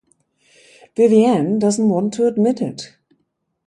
Vivanne doesn't want to admit it.